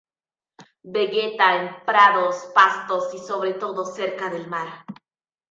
Vegeta en prados, pastos y sobre todo cerca del mar.